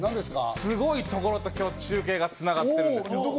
すごいところと今日、中継が繋がってるんです。